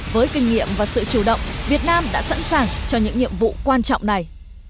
với kinh nghiệm và sự chủ động việt nam đã sẵn sàng cho những nhiệm vụ quan trọng này